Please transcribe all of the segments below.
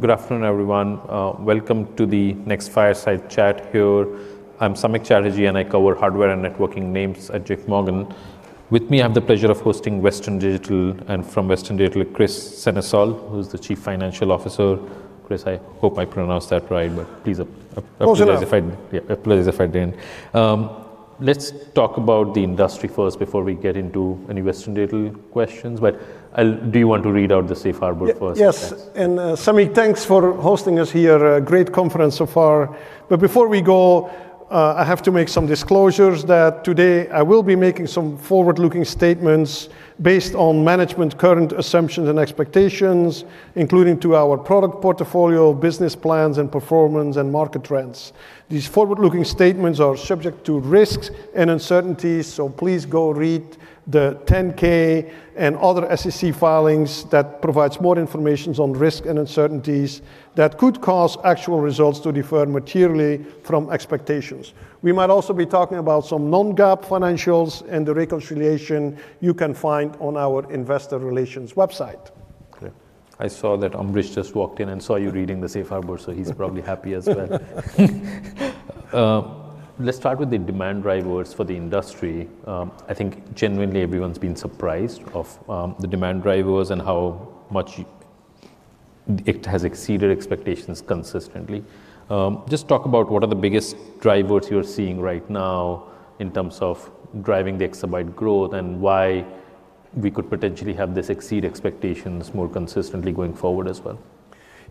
Good afternoon, everyone. Welcome to the next fireside chat here. I'm Samik Chatterjee, and I cover hardware and networking names at JPMorgan. With me, I have the pleasure of hosting Western Digital, and from Western Digital, Kris Sennesael, who's the Chief Financial Officer. Kris, I hope I pronounced that right, but please. Close enough. Apologies if I didn't. Let's talk about the industry first before we get into any Western Digital questions. Do you want to read out the safe harbor first? Samik, thanks for hosting us here. A great conference so far. Before we go, I have to make some disclosures that today I will be making some forward-looking statements based on management's current assumptions and expectations, including to our product portfolio, business plans, and performance and market trends. These forward-looking statements are subject to risks and uncertainties. Please go read the 10-K and other SEC filings that provides more information on risk and uncertainties that could cause actual results to differ materially from expectations. We might also be talking about some non-GAAP financials and the reconciliation you can find on our investor relations website. Okay. I saw that Ambrish just walked in and saw you reading the safe harbor, so he's probably happy as well. Let's start with the demand drivers for the industry. I think genuinely everyone's been surprised of the demand drivers and how much it has exceeded expectations consistently. Just talk about what are the biggest drivers you're seeing right now in terms of driving the exabyte growth and why we could potentially have this exceed expectations more consistently going forward as well.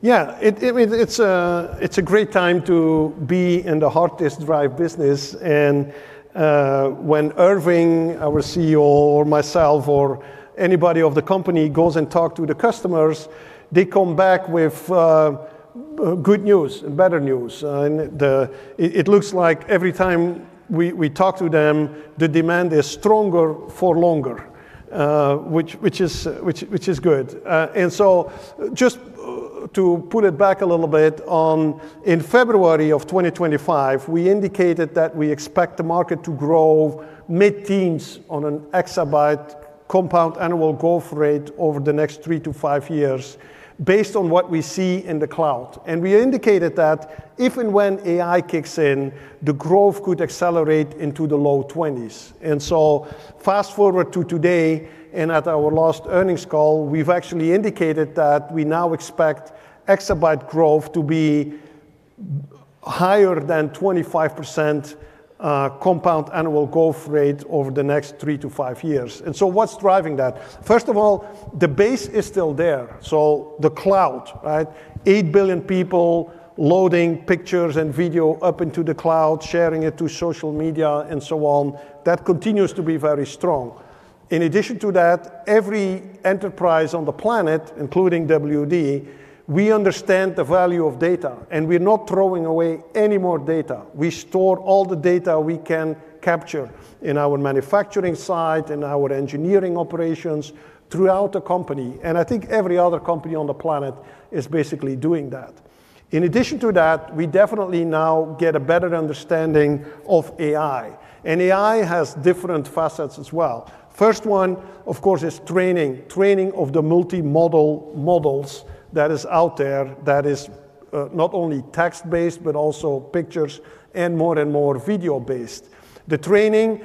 Yeah. I mean, it's a great time to be in the hard disk drive business. When Irving, our CEO, or myself or anybody of the company goes and talk to the customers, they come back with good news and better news. It looks like every time we talk to them, the demand is stronger for longer, which is good. Just to put it back a little bit on, in February of 2025, we indicated that we expect the market to grow mid-teens on an exabyte compound annual growth rate over the next three to five years based on what we see in the cloud. We indicated that if and when AI kicks in, the growth could accelerate into the low 20s. Fast-forward to today, and at our last earnings call, we've actually indicated that we now expect exabyte growth to be higher than 25%, compound annual growth rate over the next three to five years. What's driving that? First of all, the base is still there. The cloud, right? 8 billion people loading pictures and video up into the cloud, sharing it to social media and so on. That continues to be very strong. In addition to that, every enterprise on the planet, including WD, we understand the value of data, and we're not throwing away any more data. We store all the data we can capture in our manufacturing site, in our engineering operations, throughout the company, and I think every other company on the planet is basically doing that. In addition to that, we definitely now get a better understanding of AI, and AI has different facets as well. First one, of course, is training of the multimodal models that is out there that is not only text-based, but also pictures and more and more video-based. The training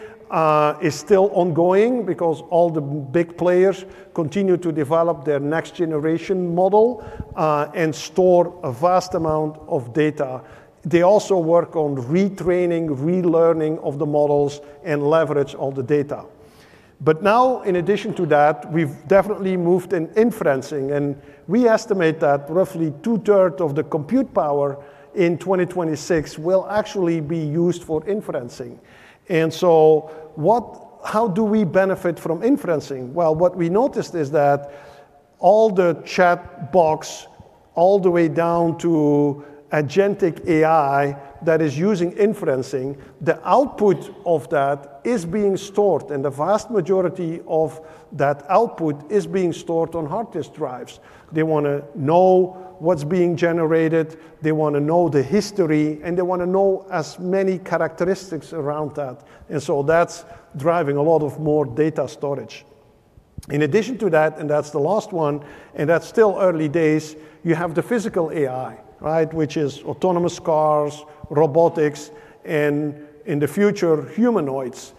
is still ongoing because all the big players continue to develop their next-generation model and store a vast amount of data. They also work on retraining, relearning of the models and leverage all the data. In addition to that, we've definitely moved in inferencing, and we estimate that roughly 2/3 of the compute power in 2026 will actually be used for inferencing. How do we benefit from inferencing? Well, what we noticed is that all the chatbots, all the way down to agentic AI that is using inferencing, the output of that is being stored, and the vast majority of that output is being stored on hard disk drives. They wanna know what's being generated, they wanna know the history, they wanna know as many characteristics around that. That's driving a lot of more data storage. In addition to that's the last one, that's still early days, you have the physical AI, right? Which is autonomous cars, robotics, and in the future, humanoids.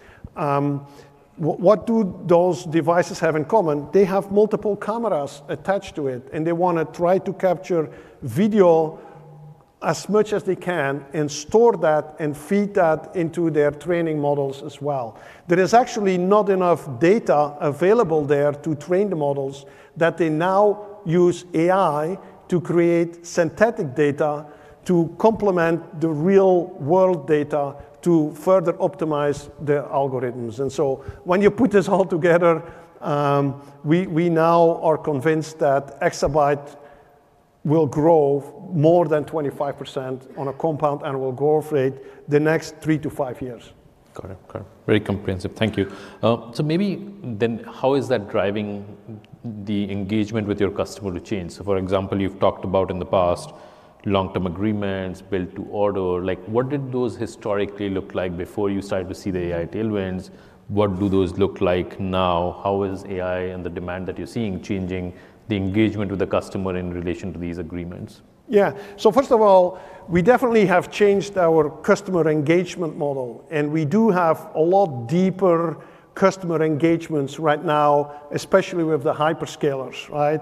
What do those devices have in common? They have multiple cameras attached to it, they wanna try to capture video as much as they can and store that and feed that into their training models as well. There is actually not enough data available there to train the models that they now use AI to create synthetic data to complement the real-world data to further optimize their algorithms. When you put this all together, we now are convinced that exabyte will grow more than 25% on a compound annual growth rate the next three to five years. Got it. Got it. Very comprehensive. Thank you. Maybe then how is that driving the engagement with your customer to change? For example, you've talked about in the past, Long-Term Agreements, build to order. Like, what did those historically look like before you started to see the AI tailwinds? What do those look like now? How is AI and the demand that you're seeing changing the engagement with the customer in relation to these agreements? Yeah. First of all, we definitely have changed our customer engagement model, and we do have a lot deeper customer engagements right now, especially with the hyperscalers, right?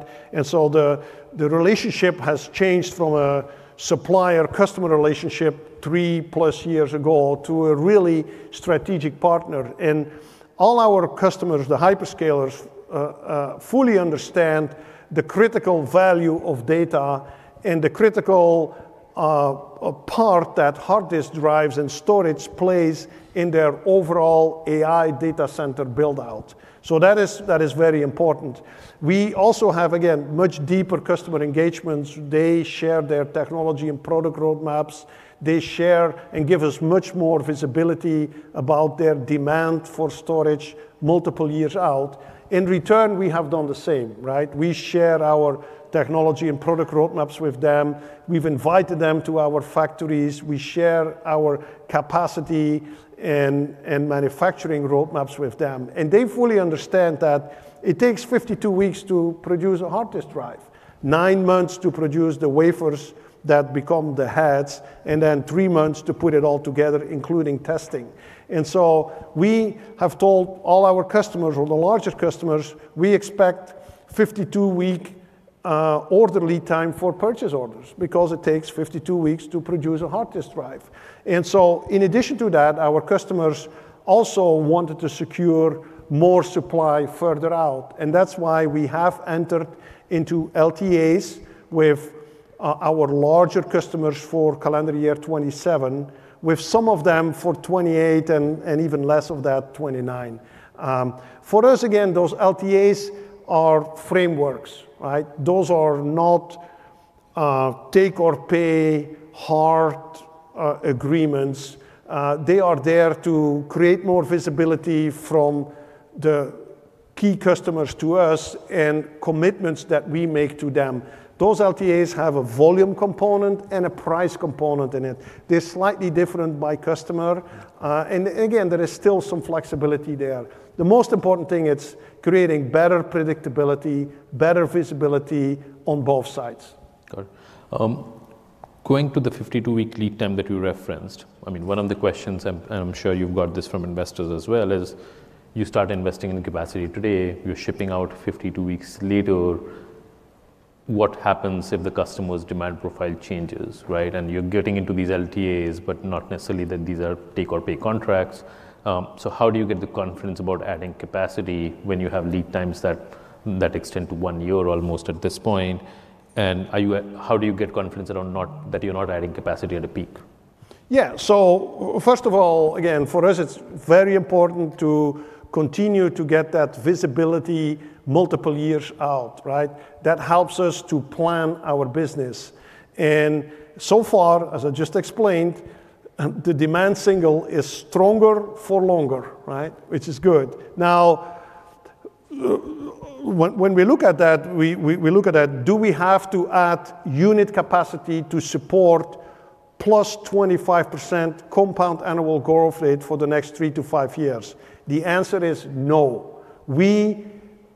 The relationship has changed from a supplier-customer relationship 3+ years ago to a really strategic partner. All our customers, the hyperscalers, fully understand the critical value of data and the critical part that hard disk drives and storage plays in their overall AI data center build-out. That is very important. We also have, again, much deeper customer engagements. They share their technology and product road maps. They share and give us much more visibility about their demand for storage multiple years out. In return, we have done the same, right? We share our technology and product road maps with them. We've invited them to our factories. We share our capacity and manufacturing road maps with them. They fully understand that it takes 52 weeks to produce a hard disk drive, nine months to produce the wafers that become the heads, and then three months to put it all together, including testing. We have told all our customers, or the larger customers, we expect 52 week order lead time for purchase orders because it takes 52 weeks to produce a hard disk drive. In addition to that, our customers also wanted to secure more supply further out, and that's why we have entered into LTAs with our larger customers for calendar year 2027, with some of them for 2028 and even less of that, 2029. For us, again, those LTAs are frameworks, right? Those are not take-or-pay, hard agreements. They are there to create more visibility from the key customers to us and commitments that we make to them. Those LTAs have a volume component and a price component in it. They're slightly different by customer. Again, there is still some flexibility there. The most important thing, it's creating better predictability, better visibility on both sides. Got it. Going to the 52-week lead time that you referenced, I mean, one of the questions, and I'm sure you've got this from investors as well, is you start investing in capacity today, you're shipping out 52 weeks later. What happens if the customer's demand profile changes, right? You're getting into these LTAs, but not necessarily that these are take-or-pay contracts. How do you get the confidence about adding capacity when you have lead times that extend to one year almost at this point? How do you get confidence around that you're not adding capacity at a peak? Yeah. First of all, again, for us, it's very important to continue to get that visibility multiple years out, right? That helps us to plan our business. So far, as I just explained, the demand signal is stronger for longer, right? Which is good. When we look at that, do we have to add unit capacity to support +25% compound annual growth rate for the next three to five years? The answer is no. We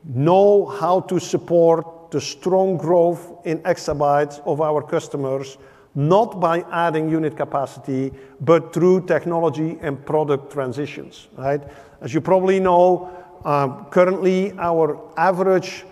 know how to support the strong growth in exabytes of our customers, not by adding unit capacity, but through technology and product transitions, right? As you probably know, currently, our average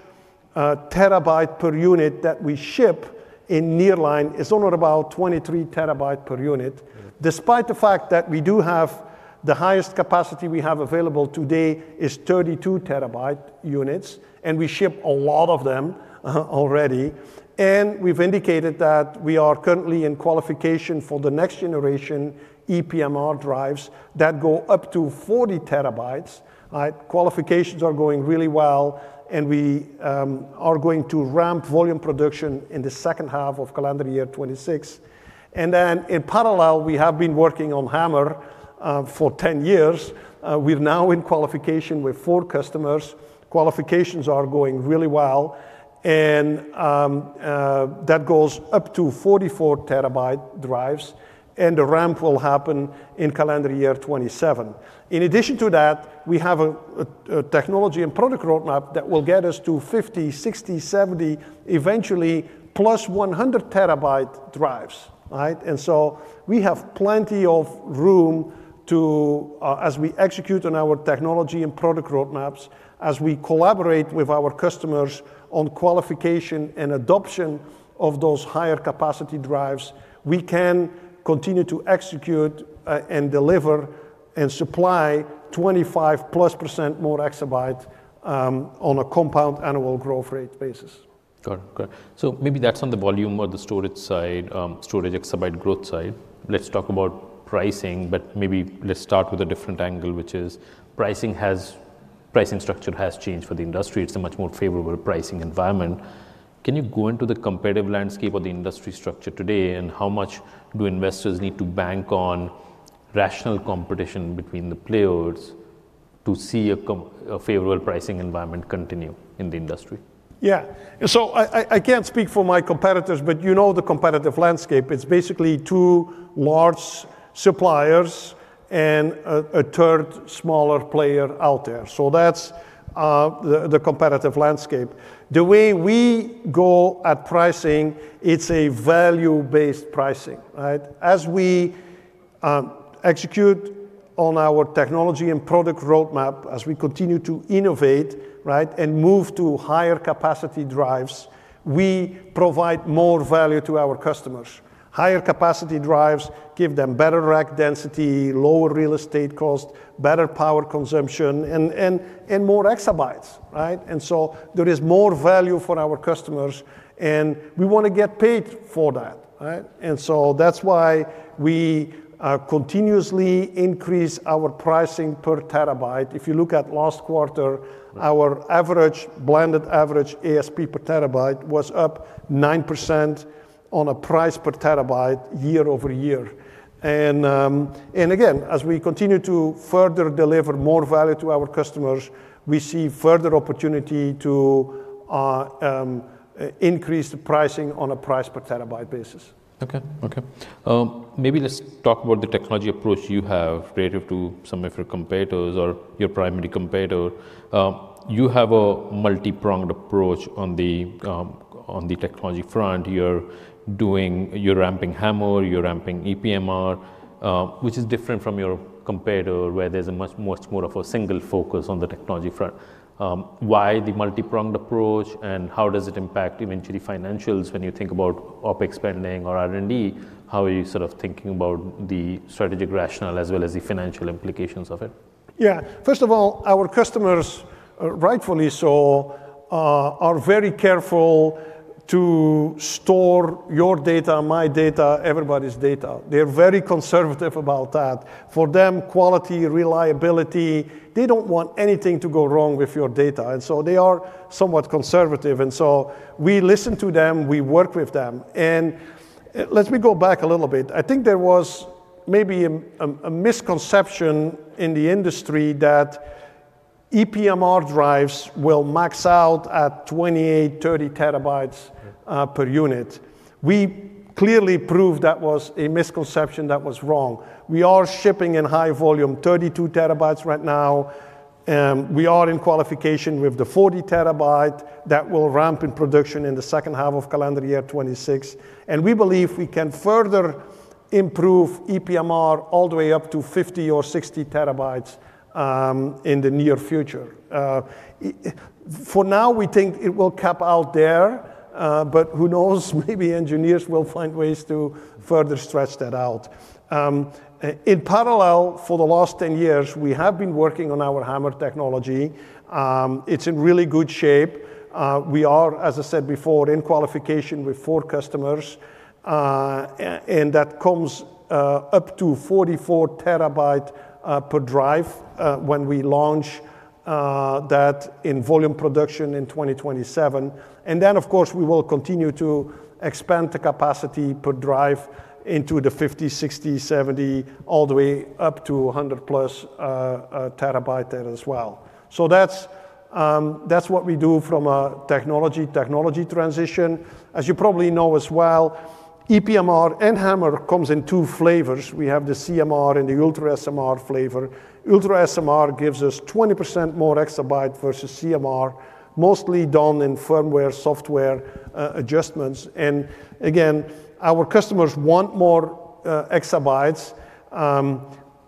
terabyte per unit that we ship in nearline is only about 23 TB per unit, despite the fact that we do have the highest capacity we have available today is 32 TB units, and we ship a lot of them already. We've indicated that we are currently in qualification for the next generation ePMR drives that go up to 40 TB, right? Qualifications are going really well, we are going to ramp volume production in the second half of calendar year 2026. In parallel, we have been working on HAMR for 10 years. We're now in qualification with 4 customers. Qualifications are going really well, that goes up to 44 TB drives, the ramp will happen in calendar year 2027. In addition to that, we have a technology and product roadmap that will get us to 50, 60, 70, eventually plus 100 terabyte drives, right? We have plenty of room to, as we execute on our technology and product roadmaps, as we collaborate with our customers on qualification and adoption of those higher capacity drives, we can continue to execute and deliver and supply 25%+ more exabyte on a compound annual growth rate basis. Got it. Got it. Maybe that's on the volume or the storage side, storage exabyte growth side. Let's talk about pricing, maybe let's start with a different angle, which is pricing structure has changed for the industry. It's a much more favorable pricing environment. Can you go into the competitive landscape of the industry structure today, how much do investors need to bank on rational competition between the players to see a favorable pricing environment continue in the industry? Yeah. I can't speak for my competitors, but you know the competitive landscape. It's basically two large suppliers and a third smaller player out there. That's the competitive landscape. The way we go at pricing, it's a value-based pricing, right? As we execute on our technology and product roadmap, as we continue to innovate, right, and move to higher capacity drives, we provide more value to our customers. Higher capacity drives give them better rack density, lower real estate cost, better power consumption, and more exabytes, right? There is more value for our customers, and we wanna get paid for that, right? That's why we continuously increase our pricing per terabyte. If you look at last quarter. our average, blended average ASP per terabyte was up 9% on a price per terabyte year-over-year. Again, as we continue to further deliver more value to our customers, we see further opportunity to increase the pricing on a price per terabyte basis. Maybe let's talk about the technology approach you have relative to some of your competitors or your primary competitor. You have a multi-pronged approach on the technology front. You're doing, you're ramping HAMR, you're ramping ePMR, which is different from your competitor where there's a much more of a single focus on the technology front. Why the multi-pronged approach, and how does it impact eventually financials when you think about OpEx spending or R&D? How are you sort of thinking about the strategic rationale as well as the financial implications of it? Yeah. First of all, our customers, rightfully so, are very careful to store your data, my data, everybody's data. They're very conservative about that. For them, quality, reliability, they don't want anything to go wrong with your data. They are somewhat conservative. We listen to them, we work with them. Let me go back a little bit. I think there was maybe a misconception in the industry that ePMR drives will max out at 28, 30 terabytes. per unit. We clearly proved that was a misconception, that was wrong. We are shipping in high volume 32 terabytes right now. We are in qualification with the 40 terabyte that will ramp in production in the second half of calendar year 2026, and we believe we can further improve ePMR all the way up to 50 or 60 terabytes in the near future. For now, we think it will cap out there. Who knows? Maybe engineers will find ways to further stretch that out. In parallel, for the last 10 years, we have been working on our HAMR technology. It's in really good shape. We are, as I said before, in qualification with four customers. That comes up to 44 terabyte per drive when we launch that in volume production in 2027. Of course, we will continue to expand the capacity per drive into the 50, 60, 70, all the way up to a 100 plus terabyte there as well. That's what we do from a technology transition. As you probably know as well, ePMR and HAMR comes in two flavors. We have the CMR and the UltraSMR flavor. UltraSMR gives us 20% more exabyte versus CMR, mostly done in firmware, software adjustments. Our customers want more exabytes.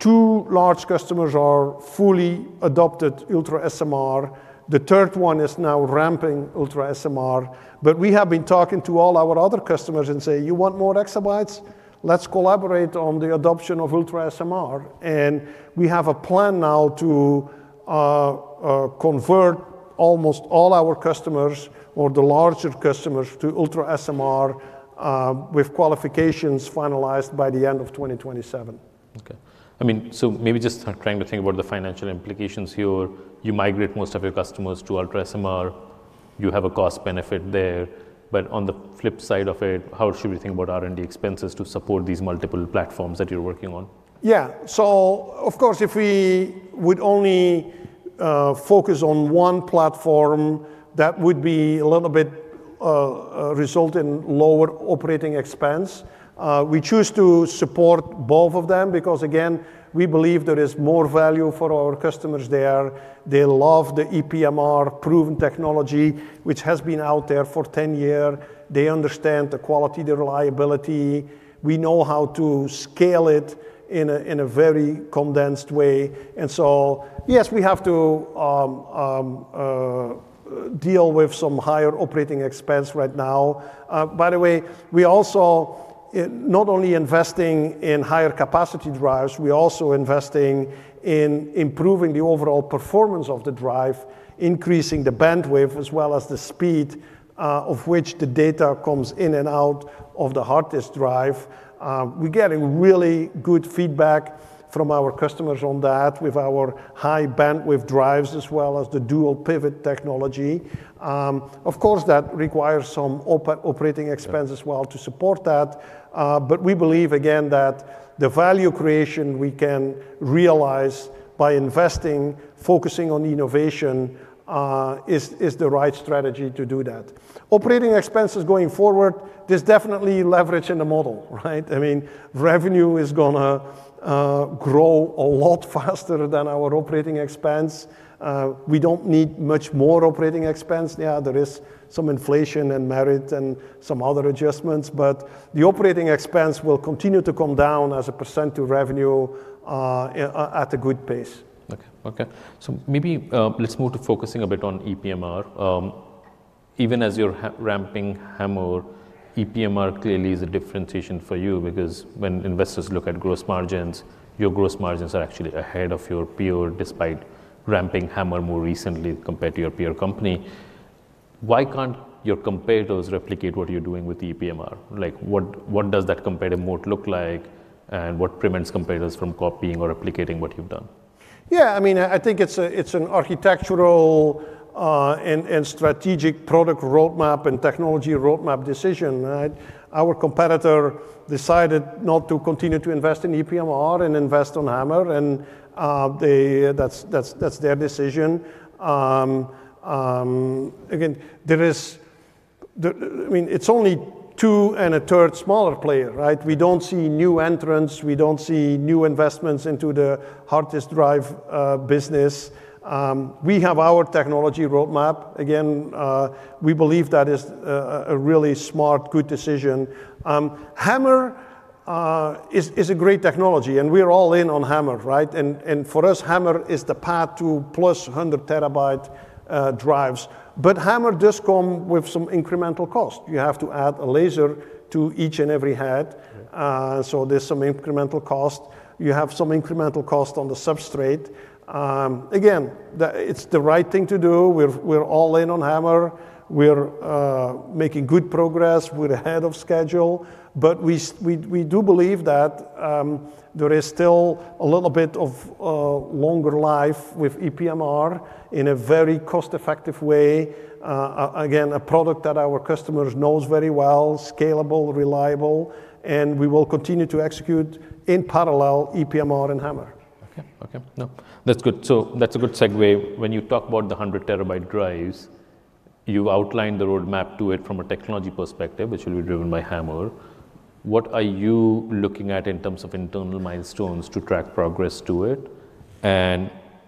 Two large customers are fully adopted UltraSMR. The third one is now ramping UltraSMR. We have been talking to all our other customers and say, "You want more exabytes? Let's collaborate on the adoption of UltraSMR. We have a plan now to convert almost all our customers or the larger customers to UltraSMR, with qualifications finalized by the end of 2027. Okay. I mean, maybe just trying to think about the financial implications here. You migrate most of your customers to UltraSMR. You have a cost benefit there. On the flip side of it, how should we think about R&D expenses to support these multiple platforms that you're working on? Yeah. Of course, if we would only focus on one platform, that would be a little bit result in lower operating expense. We choose to support both of them because, again, we believe there is more value for our customers there. They love the ePMR proven technology, which has been out there for 10 year. They understand the quality, the reliability. We know how to scale it in a very condensed way. Yes, we have to deal with some higher operating expense right now. By the way, we also not only investing in higher capacity drives, we also investing in improving the overall performance of the drive, increasing the bandwidth as well as the speed of which the data comes in and out of the hard disk drive. We're getting really good feedback from our customers on that with our High Bandwidth Drives as well as the Dual Pivot technology. Of course, that requires some operating expense. Yeah as well to support that. We believe again that the value creation we can realize by investing, focusing on innovation, is the right strategy to do that. Operating expenses going forward, there's definitely leverage in the model, right? I mean, revenue is going to grow a lot faster than our operating expense. We don't need much more operating expense. Yeah, there is some inflation and merit and some other adjustments, the operating expense will continue to come down as a percent of revenue at a good pace. Okay. Okay. Maybe, let's move to focusing a bit on ePMR. Even as you're ramping HAMR, ePMR clearly is a differentiation for you because when investors look at gross margins, your gross margins are actually ahead of your peer despite ramping HAMR more recently compared to your peer company. Why can't your competitors replicate what you're doing with ePMR? Like what does that competitive moat look like, and what prevents competitors from copying or replicating what you've done? I think it's a, it's an architectural and strategic product roadmap and technology roadmap decision, right? Our competitor decided not to continue to invest in ePMR and invest on HAMR, and they, that's their decision. Again, there is the, it's only two and a third smaller player, right? We don't see new entrants. We don't see new investments into the hardest drive business. We have our technology roadmap. Again, we believe that is a really smart, good decision. HAMR is a great technology, and we're all in on HAMR, right? For us, HAMR is the path to plus 100 terabyte drives. HAMR does come with some incremental cost. You have to add a laser to each and every head. Okay. There's some incremental cost. You have some incremental cost on the substrate. Again, it's the right thing to do. We're all in on HAMR. We're making good progress. We're ahead of schedule. We do believe that there is still a little bit of longer life with ePMR in a very cost-effective way, again, a product that our customers knows very well, scalable, reliable, and we will continue to execute in parallel ePMR and HAMR. Okay, okay. No, that's good. That's a good segue. When you talk about the 100 TB drives, you outline the roadmap to it from a technology perspective, which will be driven by HAMR. What are you looking at in terms of internal milestones to track progress to it?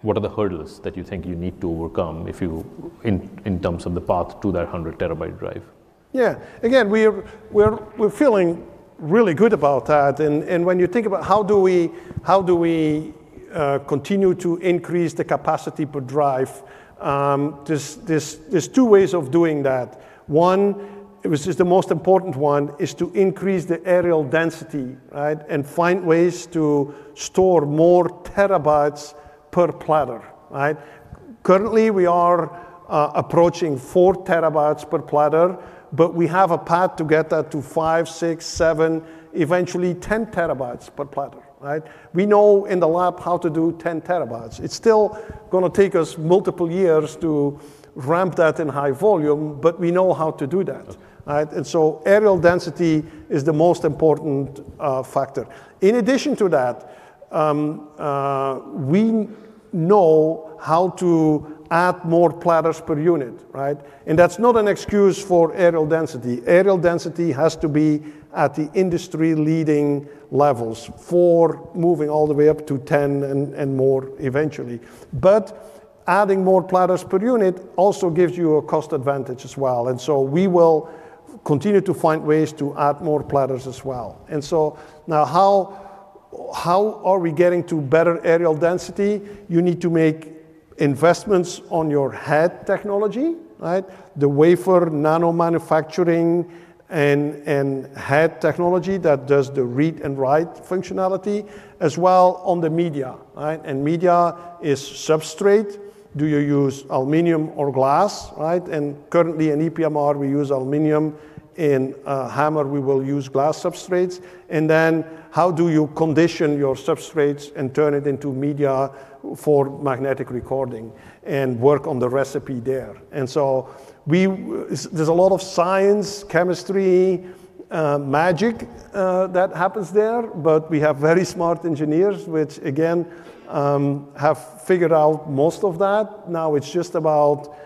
What are the hurdles that you think you need to overcome if you, in terms of the path to that 100 terabyte drive? Yeah. Again, we're feeling really good about that. When you think about how do we continue to increase the capacity per drive, there's two ways of doing that. One, which is the most important one, is to increase the areal density, right? Find ways to store more terabytes per platter, right? Currently, we are approaching 4 TB per platter, but we have a path to get that to 5 TB, 6 TB, 7 TB, eventually 10 TB per platter, right? We know in the lab how to do 10 TB. It's still gonna take us multiple years to ramp that in high volume, but we know how to do that. Okay. Right? Areal density is the most important factor. In addition to that, we know how to add more platters per unit, right? That's not an excuse for areal density. Areal density has to be at the industry leading levels, four moving all the way up to 10 and more eventually. Adding more platters per unit also gives you a cost advantage as well, we will continue to find ways to add more platters as well. Now how are we getting to better areal density? You need to make investments on your head technology, right? The wafer nano manufacturing and head technology that does the read and write functionality, as well on the media, right? Media is substrate. Do you use aluminum or glass, right? Currently in ePMR, we use aluminum. HAMR, we will use glass substrates. How do you condition your substrates and turn it into media for magnetic recording and work on the recipe there? There's a lot of science, chemistry, magic that happens there, but we have very smart engineers, which again, have figured out most of that. Now it's just about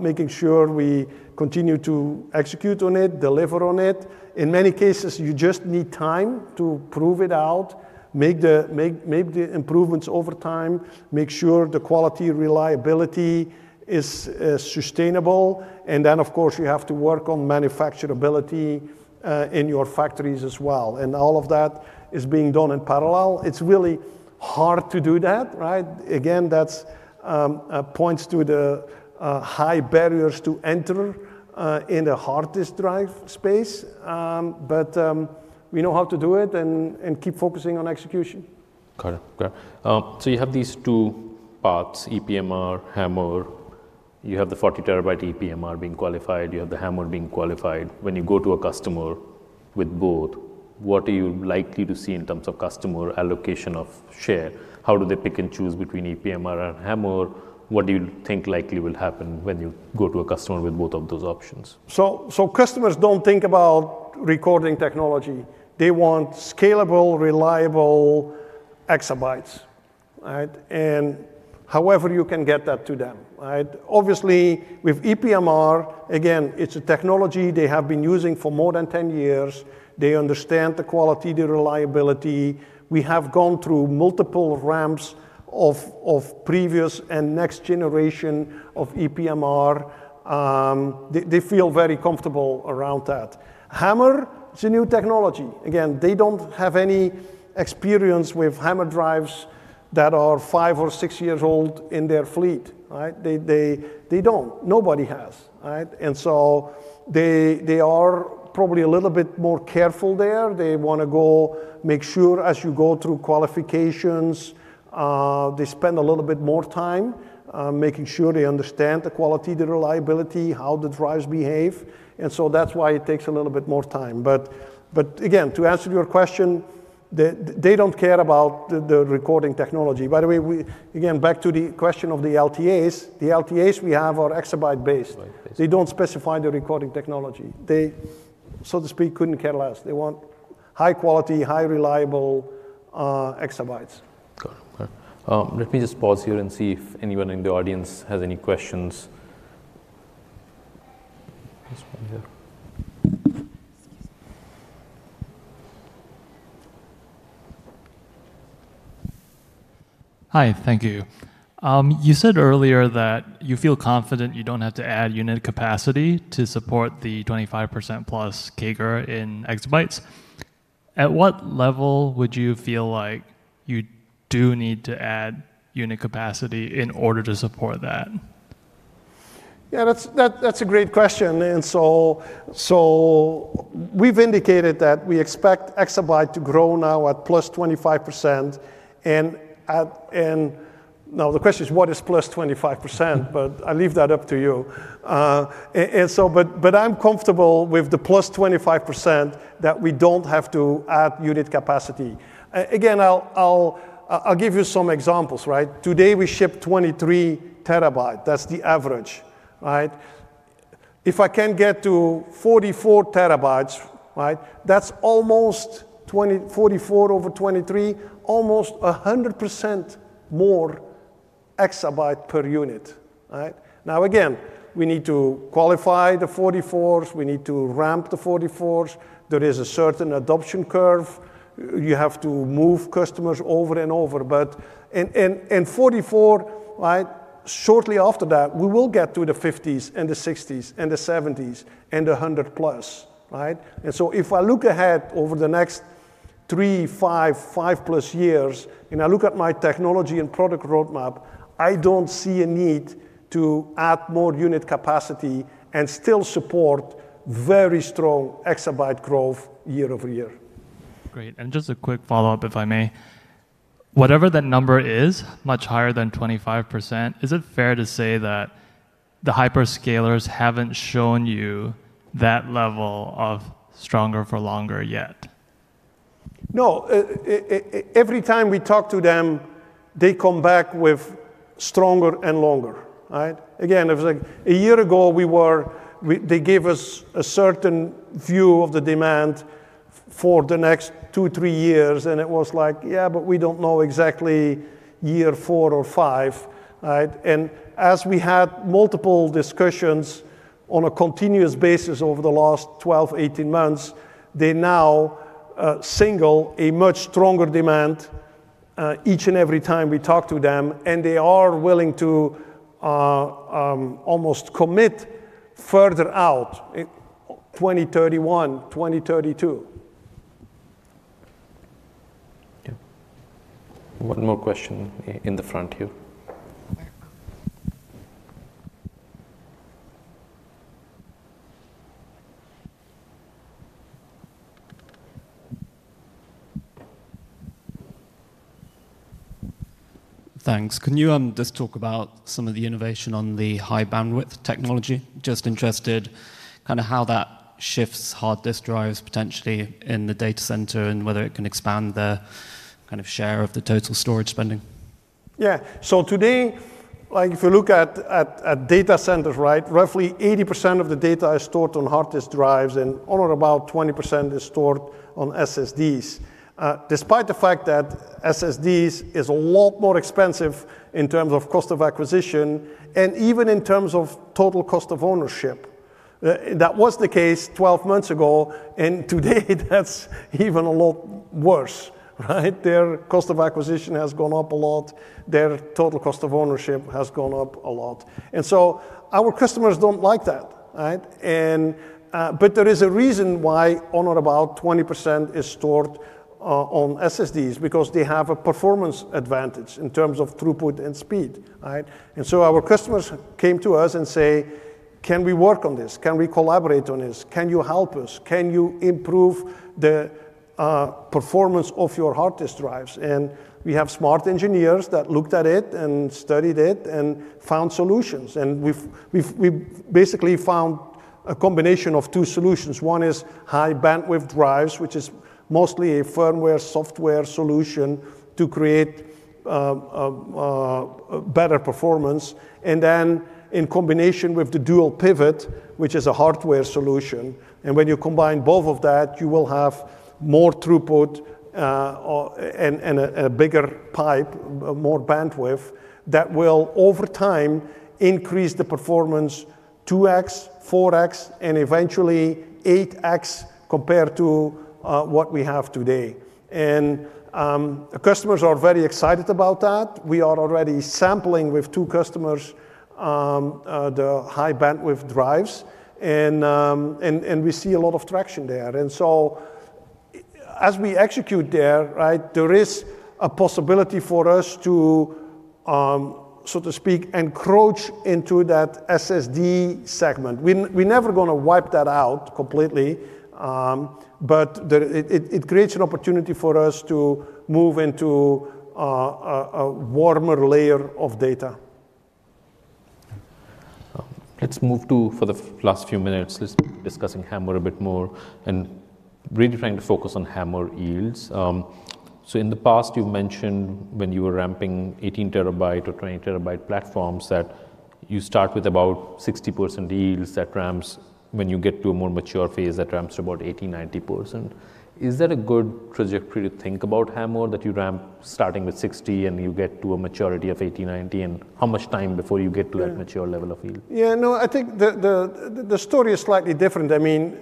making sure we continue to execute on it, deliver on it. In many cases, you just need time to prove it out, make the improvements over time, make sure the quality, reliability is sustainable, of course, you have to work on manufacturability in your factories as well. All of that is being done in parallel. It's really hard to do that, right? Again, that's points to the high barriers to enter in the hard drive space. We know how to do it and keep focusing on execution. Got it. Got it. You have these two paths, ePMR, HAMR. You have the 40 TB ePMR being qualified. You have the HAMR being qualified. When you go to a customer with both, what are you likely to see in terms of customer allocation of share? How do they pick and choose between ePMR and HAMR? What do you think likely will happen when you go to a customer with both of those options? Customers don't think about recording technology. They want scalable, reliable exabytes, right? However you can get that to them, right? Obviously, with ePMR, again, it's a technology they have been using for more than 10 years. They understand the quality, the reliability. We have gone through multiple ramps of previous and next generation of ePMR. They feel very comfortable around that. HAMR is a new technology. Again, they don't have any experience with HAMR drives that are five or six years old in their fleet, right? They don't. Nobody has, right? They are probably a little bit more careful there. They wanna go make sure as you go through qualifications, they spend a little bit more time making sure they understand the quality, the reliability, how the drives behave. That's why it takes a little bit more time. Again, to answer your question, they don't care about the recording technology. By the way, again, back to the question of the LTAs, the LTAs we have are exabyte based. Exabyte based. They don't specify the recording technology. They, so to speak, couldn't care less. They want high quality, high reliable exabytes. Got it. Okay. Let me just pause here and see if anyone in the audience has any questions. There is one here. Hi, thank you. You said earlier that you feel confident you don't have to add unit capacity to support the 25% plus CAGR in exabytes. At what level would you feel like you do need to add unit capacity in order to support that? Yeah, that's a great question. We've indicated that we expect exabyte to grow now at +25%. Now the question is what is +25%? I leave that up to you. I'm comfortable with the +25% that we don't have to add unit capacity. Again, I'll give you some examples, right? Today, we ship 23 TB. That's the average, right? If I can get to 44 TB, right, that's almost 44 over 23, almost 100% more exabyte per unit, right? Now again, we need to qualify the 44s. We need to ramp the 44s. There is a certain adoption curve. You have to move customers over and over. In 44, right, shortly after that, we will get to the 50s and the 60s and the 70s and the 100+. If I look ahead over the next three, five plus years, and I look at my technology and product roadmap, I don't see a need to add more unit capacity and still support very strong exabyte growth year-over-year. Great. Just a quick follow-up, if I may. Whatever that number is, much higher than 25%, is it fair to say that the hyperscalers haven't shown you that level of stronger for longer yet? No. Every time we talk to them, they come back with stronger and longer, right? Again, it was like a year ago, they gave us a certain view of the demand for the next two, three years, and it was like, "Yeah, but we don't know exactly year four or five," right? As we had multiple discussions on a continuous basis over the last 12, 18 months, they now signal a much stronger demand each and every time we talk to them, and they are willing to almost commit further out, 2031, 2032. Yeah. One more question in the front here. Thanks. Can you just talk about some of the innovation on the high bandwidth technology? Just interested kinda how that shifts hard disk drives potentially in the data center and whether it can expand the, kind of, share of the total storage spending. Yeah. Today, like, if you look at data centers, right, roughly 80% of the data is stored on hard disk drives, and about 20% is stored on SSDs. Despite the fact that SSDs is a lot more expensive in terms of cost of acquisition and even in terms of total cost of ownership. That was the case 12 months ago, and today that's even a lot worse, right? Their cost of acquisition has gone up a lot. Their total cost of ownership has gone up a lot. Our customers don't like that, right? There is a reason why about 20% is stored on SSDs, because they have a performance advantage in terms of throughput and speed, right? Our customers came to us and say, "Can we work on this? Can we collaborate on this? Can you help us? Can you improve the performance of your hard disk drives? We have smart engineers that looked at it and studied it and found solutions. We've basically found a combination of two solutions. One is High Bandwidth Drives, which is mostly a firmware, software solution to create better performance. Then in combination with the Dual Pivot, which is a hardware solution, and when you combine both of that, you will have more throughput, or a bigger pipe, more bandwidth that will over time increase the performance 2x, 4x, and eventually 8x compared to what we have today. Customers are very excited about that. We are already sampling with two customers the High Bandwidth Drives. We see a lot of traction there. As we execute there, right, there is a possibility for us to, so to speak, encroach into that SSD segment. We never gonna wipe that out completely, but it creates an opportunity for us to move into a warmer layer of data. Let's move to, for the last few minutes, discussing HAMR a bit more, and really trying to focus on HAMR yields. In the past, you mentioned when you were ramping 18 terabyte or 20 terabyte platforms that you start with about 60% yields that ramps when you get to a more mature phase that ramps to about 80%-90%. Is that a good trajectory to think about HAMR that you ramp starting with 60% and you get to a maturity of 80%-90%? How much time before you get to that mature level of yield? Yeah, no, I think the story is slightly different. I mean,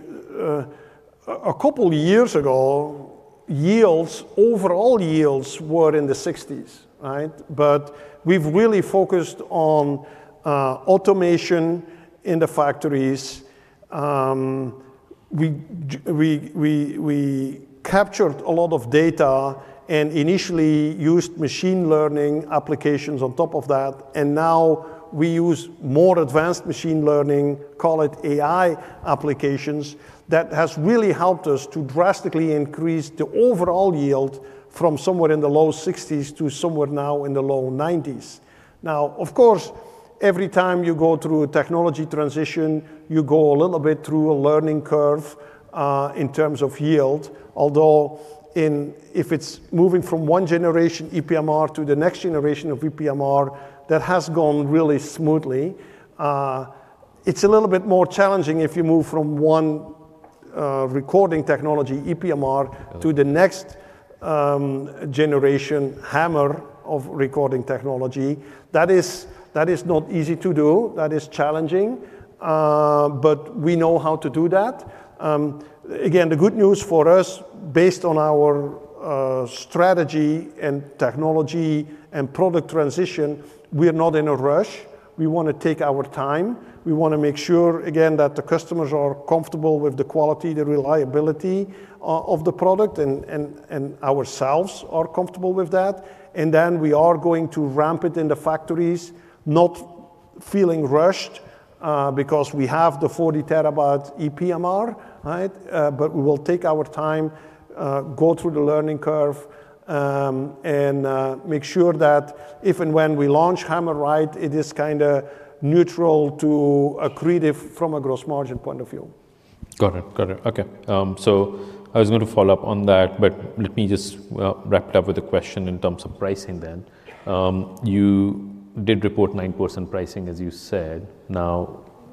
a couple years ago, overall yields were in the 60s, right? We've really focused on automation in the factories. We captured a lot of data and initially used machine learning applications on top of that, and now we use more advanced machine learning, call it AI applications, that has really helped us to drastically increase the overall yield from somewhere in the low 60s to somewhere now in the low 90s. Now, of course, every time you go through a technology transition, you go a little bit through a learning curve in terms of yield. Although if it's moving from one generation ePMR to the next generation of ePMR, that has gone really smoothly. It's a little bit more challenging if you move from one, recording technology, ePMR- Okay to the next generation HAMR of recording technology. That is not easy to do. That is challenging, we know how to do that. Again, the good news for us, based on our strategy and technology and product transition, we're not in a rush. We wanna take our time. We wanna make sure, again, that the customers are comfortable with the quality, the reliability of the product, and ourselves are comfortable with that. We are going to ramp it in the factories, not feeling rushed, because we have the 40 TB ePMR, right? We will take our time, go through the learning curve, and make sure that if and when we launch HAMR right, it is kinda neutral to accretive from a gross margin point of view. Got it. Got it. Okay. I was gonna follow up on that, but let me just wrap it up with a question in terms of pricing then. You did report 9% pricing, as you said.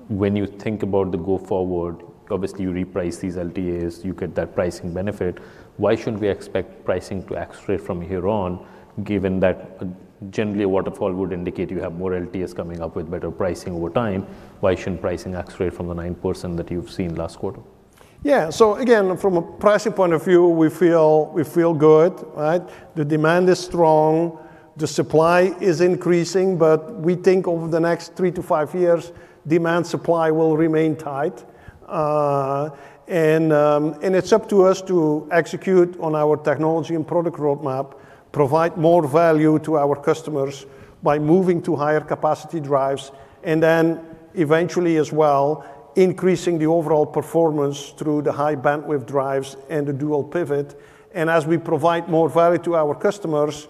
When you think about the go forward, obviously you reprice these LTAs, you get that pricing benefit. Why shouldn't we expect pricing to accelerate from here on, given that generally a waterfall would indicate you have more LTAs coming up with better pricing over time, why shouldn't pricing accelerate from the 9% that you've seen last quarter? Again, from a pricing point of view, we feel good, right? The demand is strong, the supply is increasing, but we think over the next three to five years, demand supply will remain tight. It's up to us to execute on our technology and product roadmap, provide more value to our customers by moving to higher capacity drives, and then eventually as well, increasing the overall performance through the High Bandwidth Drives and the Dual Pivot. As we provide more value to our customers,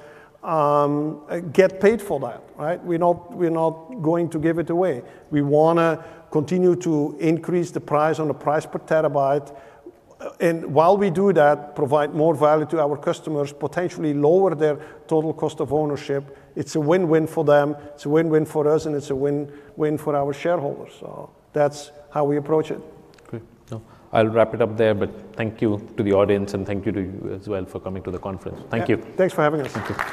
get paid for that, right? We're not going to give it away. We wanna continue to increase the price on the price per terabyte, while we do that, provide more value to our customers, potentially lower their total cost of ownership. It's a win-win for them, it's a win-win for us, and it's a win-win for our shareholders. That's how we approach it. Great. I'll wrap it up there, but thank you to the audience, and thank you to you as well for coming to the conference. Thank you. Yeah. Thanks for having us. Thank you.